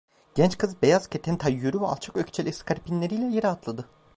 Genç kız beyaz keten tayyörü ve alçak ökçeli iskarpinleriyle yere atladı.